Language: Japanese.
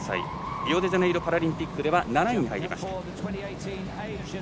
リオデジャネイロパラリンピックでは７位でした。